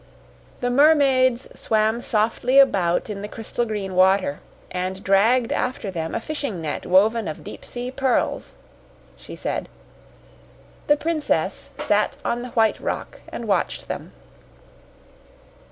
"The Mermaids swam softly about in the crystal green water, and dragged after them a fishing net woven of deep sea pearls," she said. "The Princess sat on the white rock and watched them."